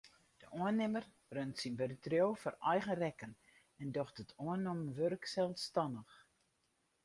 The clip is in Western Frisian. De oannimmer runt syn bedriuw foar eigen rekken en docht it oannommen wurk selsstannich.